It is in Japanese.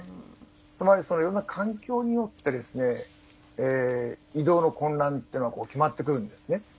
つまり、そういう環境によって移動の困難というのは決まってくるんですね。